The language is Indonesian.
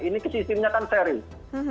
ini sistemnya kan serius